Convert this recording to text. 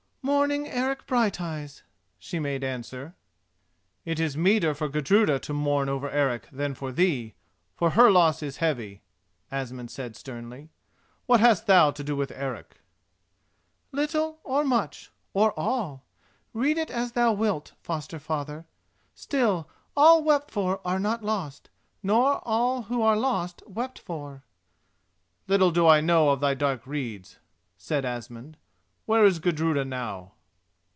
"Mourning Eric Brighteyes," she made answer. "It is meeter for Gudruda to mourn over Eric than for thee, for her loss is heavy," Asmund said sternly. "What hast thou to do with Eric?" "Little, or much; or all—read it as thou wilt, foster father. Still, all wept for are not lost, nor all who are lost wept for." "Little do I know of thy dark redes," said Asmund. "Where is Gudruda now?"